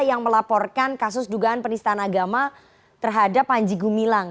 yang melaporkan kasus dugaan penistaan agama terhadap panji gumilang